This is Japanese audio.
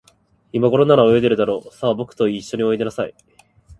いまごろなら、泳いでいるだろう。さあ、ぼくといっしょにおいでなさい。